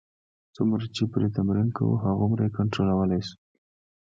څومره چې پرې تمرین کوو، هغومره یې کنټرولولای شو.